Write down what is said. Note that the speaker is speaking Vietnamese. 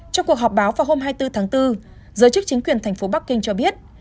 trong cuộc họp báo vào hôm hai mươi bốn tháng bốn giới chức chính quyền thành phố bắc kinh cho biết